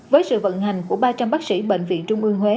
với sự vận hành của ba trăm linh bác sĩ bệnh viện trung ương huế